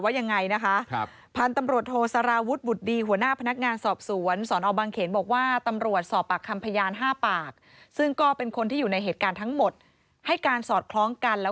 หนูมีลักษณะอย่างนี้ทุกอย่างว่า